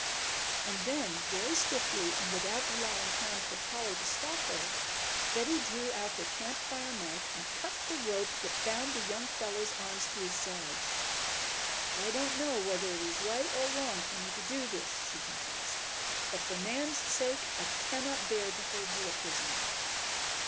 And then very swiftly and without allowing time for Polly to stop her, Betty drew out her Camp Fire knife and cut the rope that bound the young fellow's arms to his sides. "I don't know whether it is right or wrong for me to do this," she confessed, "but for Nan's sake I cannot bear to hold you a prisoner."